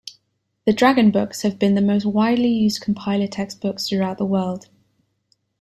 The dragon books have been the most widely used compiler textbooks throughout the world.